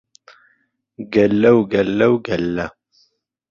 گهللهو گهللهو گهلله